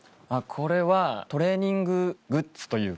これはトレーニンググッズというか。